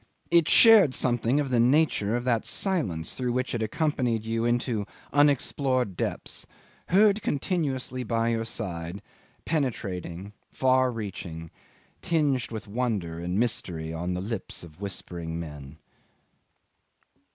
It shared something of the nature of that silence through which it accompanied you into unexplored depths, heard continuously by your side, penetrating, far reaching tinged with wonder and mystery on the lips of whispering men.